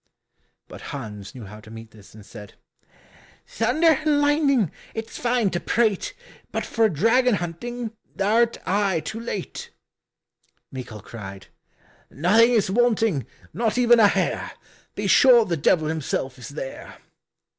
But Hans knew how to meet this, and said, "Thunder and lightning, it's fine to prate, But for dragon hunting thou'rt aye too late." Michal cried, "Nothing is wanting, not even a hair, Be sure the Devil himself is there."